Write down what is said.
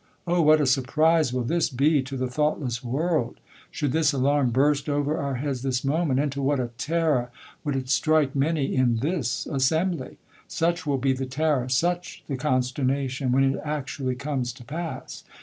O what a surprise will this be to the thoughtless world ! Should this alarm burst over our heads this moment, into what a terror would it strike many in this assenibly ? Such will be the terror, such the consternation, when it actually comes to pass.